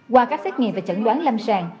qua các xét nghiệm và chẩn đoán lâm sàng